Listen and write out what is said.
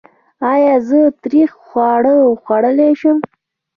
ایا زه تریخ خواړه خوړلی شم؟